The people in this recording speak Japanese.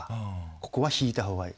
ここは引いたほうがいい。